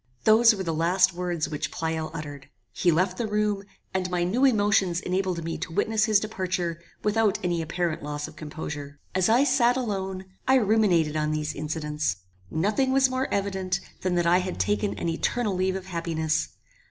Those were the last words which Pleyel uttered. He left the room, and my new emotions enabled me to witness his departure without any apparent loss of composure. As I sat alone, I ruminated on these incidents. Nothing was more evident than that I had taken an eternal leave of happiness.